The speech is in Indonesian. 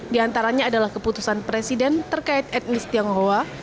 di antaranya adalah keputusan presiden terkait etnis tionghoa